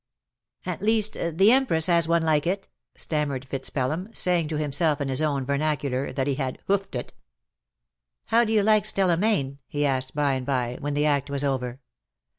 " At least, the Empress 224 CUPID AND PSYCHE. had one like it/ * stammered FitzPelham^ saying to himself, in his own vernacular, that he had " hoofed it/' " How do you like Stella Mayne ?" he asked by and by, when the act was over.